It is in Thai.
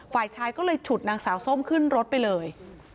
ฝ่ายชายก็เลยฉุดนางสาวส้มขึ้นรถไปเลย